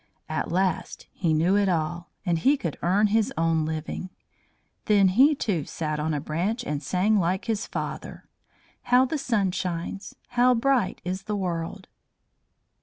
At last he knew it all, and he could earn his own living. Then he, too, sat on a branch and sang like his father: "How the sun shines! How bright is the world!"